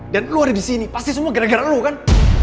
dan lo ada disini pasti semua gara gara lo kan